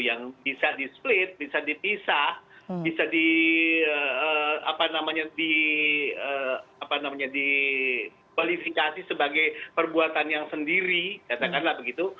yang bisa di split bisa dipisah bisa dikualifikasi sebagai perbuatan yang sendiri katakanlah begitu